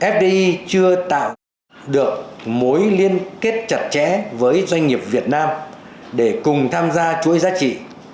fdi chưa tạo được mối liên kết chặt chẽ với doanh nghiệp việt nam để cùng tham gia chuỗi giá trị